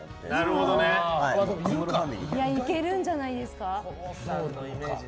いけるんじゃないんですか？